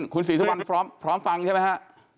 คุณศรีสุวรรณพร้อมฟังใช่ไหมฮะ